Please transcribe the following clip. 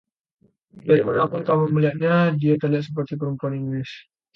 Dari manapun kamu melihatnya, dia terlihat seperti perempuan Inggris.